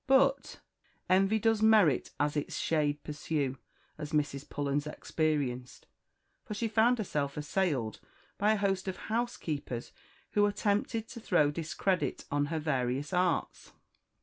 But "envy does merit as its shade pursue," as Mrs Pullens experienced, for she found herself assailed by a host of housekeepers who attempted to throw discredit on her various arts.